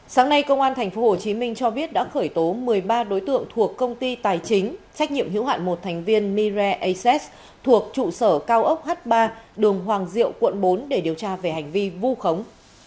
sáng nay công an tp hcm cho biết đã khởi tố một mươi ba đối tượng thuộc công ty tài chính trách nhiệm hữu hạn một thành viên mire aces thuộc trụ sở cao ốc h ba đường hoàng diệu quận bốn để điều tra về hành vi vu khống